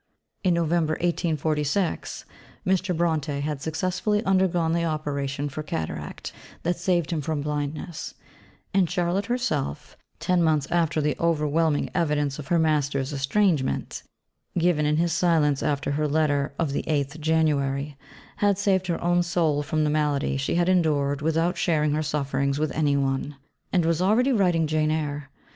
In November 1846 Mr. Brontë had successfully undergone the operation for cataract that saved him from blindness: and Charlotte herself, ten months after the overwhelming evidence of her 'master's estrangement,' given in his silence after her Letter of the 8th January, had saved her own soul from the malady she had endured without sharing her sufferings with any one; and was already writing Jane Eyre